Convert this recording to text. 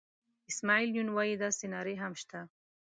اسماعیل یون وایي داسې نارې هم شته.